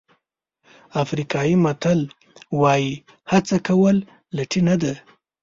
افریقایي متل وایي هڅه کول لټي نه ده.